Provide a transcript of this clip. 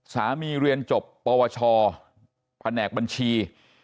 เรียนจบปวชแผนกบัญชี